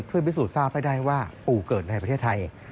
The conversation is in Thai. เพื่อพิสูจนทราบให้ได้ว่าปู่เกิดในประเทศไทย